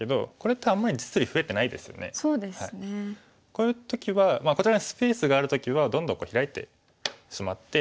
こういう時はこちらにスペースがある時はどんどんヒラいてしまって